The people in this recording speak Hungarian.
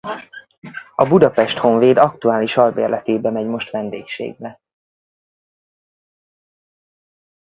A Budapest Honvéd aktuális albérletébe megy most vendégségbe.